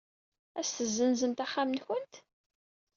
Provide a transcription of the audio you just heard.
Ad as-tessenzemt axxam-nwent?